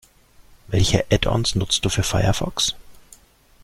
Welche Add-ons nutzt du für Firefox?